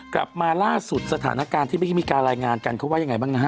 กลับมาล่าสุดสถานการณ์ที่เมื่อกี้มีการรายงานกันเขาว่ายังไงบ้างนะฮะ